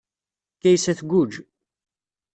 Kaysa tgujj.